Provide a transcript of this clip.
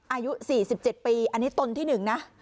อายุสี่สิบเจ็ดปีอันนี้ตนที่หนึ่งนะ